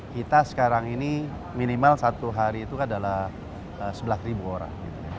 kita sekarang ini minimal satu hari itu adalah sebelas orang